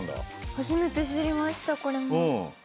初めて知りましたこれも。